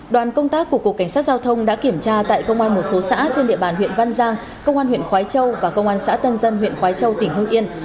đoàn công tác của cục cảnh sát giao thông đã kiểm tra tại công an một số xã trên địa bàn huyện văn giang công an huyện khói châu và công an xã tân dân huyện khói châu tỉnh hương yên